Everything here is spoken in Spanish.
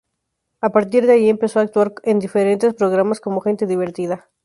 A partir de ahí empezó a actuar en diferentes programas como "Gente divertida".